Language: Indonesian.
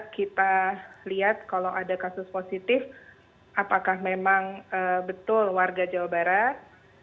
kita lihat kalau ada kasus positif apakah memang betul warga jawa barat